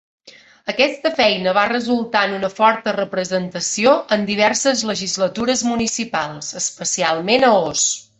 Aquesta feina va resultar en una forta representació en diverses legislatures municipals, especialment a Oss.